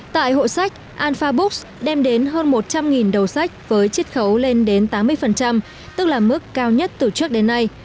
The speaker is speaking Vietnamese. tại hội sách alpha books đem đến hơn một trăm linh đầu sách với chiếc khấu lên đến tám mươi tức là mức cao nhất từ trước đến nay